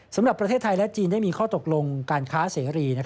สำหรับประเทศไทยและจีนได้มีข้อตกลงการค้าเสรี